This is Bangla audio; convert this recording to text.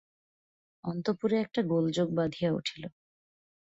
অন্তঃপুরে একটা গোলযোগ বাধিয়া উঠিল।